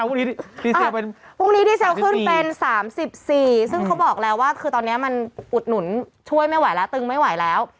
พรุ่งนี้พรุ่งนี้ดีเซลขึ้นเป็น๓๔ซึ่งเขาบอกแล้วว่าคือตอนนี้มันอุดหนุนช่วยไม่ไหวแล้วตึงไม่ไหวแล้ว